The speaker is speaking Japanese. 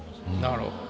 なるほど。